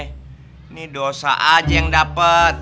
ini dosa aja yang dapat